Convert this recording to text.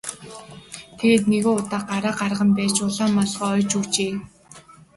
Тэгээд нэгэн удаа гараа гарган байж улаан малгай оёж өгчээ.